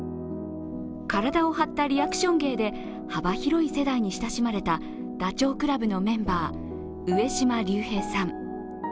体を張ったリアクション芸で幅広い世代に親しまれたダチョウ倶楽部のメンバー、上島竜兵さん。